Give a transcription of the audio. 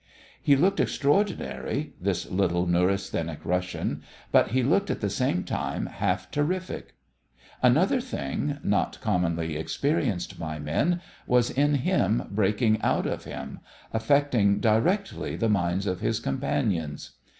He looked extraordinary, this little, neurasthenic Russian, but he looked at the same time half terrific. Another thing, not commonly experienced by men, was in him, breaking out of him, affecting directly the minds of his companions.